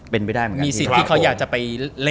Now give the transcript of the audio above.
เป็นไปได้